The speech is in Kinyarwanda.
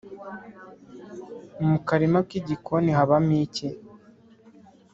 mu karima k’igikoni habamo iki